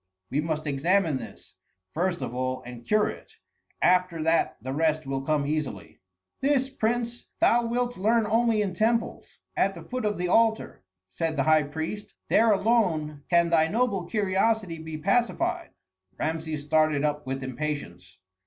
We must examine this, first of all, and cure it; after that the rest will come easily." "This, prince, thou wilt learn only in temples, at the foot of the altar," said the high priest. "There alone can thy noble curiosity be pacified." Rameses started up with impatience.